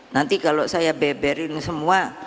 nanti kalau saya beberin semua